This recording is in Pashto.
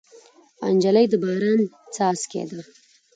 نجلۍ د باران څاڅکی ده.